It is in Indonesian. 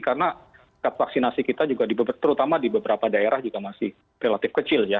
karena vaksinasi kita juga terutama di beberapa daerah juga masih relatif kecil ya